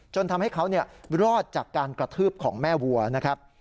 จนทำให้เขารอดจากการกระทืบของแม่วัวนะครับ